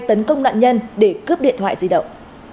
tấn công nạn nhân để cướp điện thoại di động